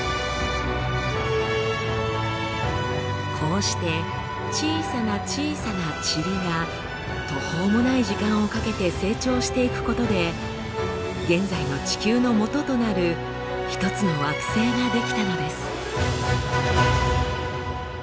こうして小さな小さなチリが途方もない時間をかけて成長していくことで現在の地球のもととなる一つの惑星が出来たのです。